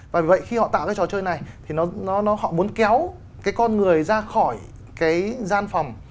và vậy khi họ tạo ra trò chơi này thì họ muốn kéo cái con người ra khỏi cái gian phòng